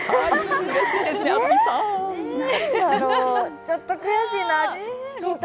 ちょっと悔しいな、ヒント